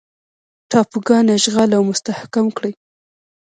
ټاپوګان اشغال او مستحکم کړي.